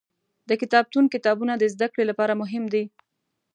د کتابتون کتابونه د زده کړې لپاره مهم دي.